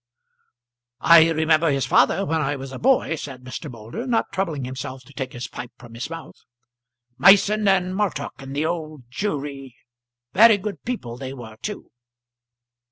"I remember his father when I was a boy," said Moulder, not troubling himself to take his pipe from his mouth, "Mason and Martock in the Old Jewry; very good people they were too."